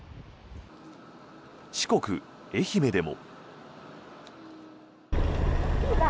四国・愛媛でも。